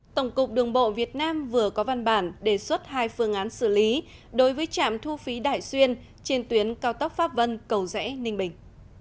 tổng cục đường bộ việt nam vừa có văn bản đề xuất hai phương án xử lý đối với trạm thu phí đại xuyên trên tuyến cao tốc pháp vân cầu rẽ ninh bình